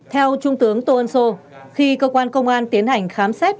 theo trung tướng tôn sô khi cơ quan công an tiến hành khám xét